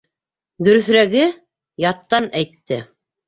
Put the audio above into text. Дөрөҫөрәге яттан әйтте.